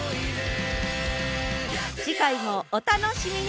次回もお楽しみに！